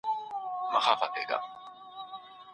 د جرګي په تالار کي به د هیواد د سوکالۍ هيلي غوړيدلي.